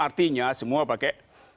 artinya semua pakai